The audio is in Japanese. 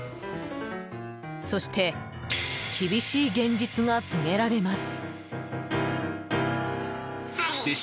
そして厳しい現実が告げられます。